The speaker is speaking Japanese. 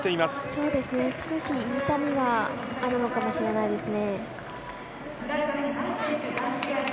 そうですね、少し痛みがあるのかもしれないですね。